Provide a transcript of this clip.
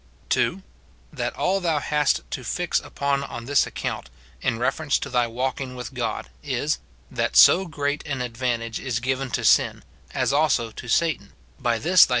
2. That all thou hast to fix upon on this account, in refer ence to thy walking with God, is, that so great an advan tage is given to sin, as also to Satan, by this thy.